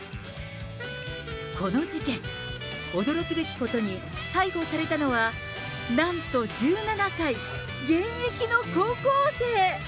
この事件、驚くべきことに、逮捕されたのはなんと１７歳、現役の高校生。